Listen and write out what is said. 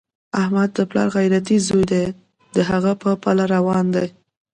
احمد د پلار غیرتي زوی دی، د هغه په پله روان دی.